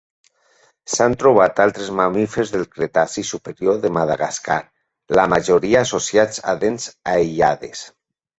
S'han trobat altres mamífers del Cretaci superior de Madagascar, la majoria associats a dents aïllades.